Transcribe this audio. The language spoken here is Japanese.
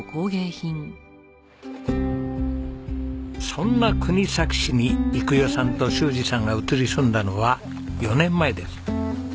そんな国東市に育代さんと修二さんが移り住んだのは４年前です。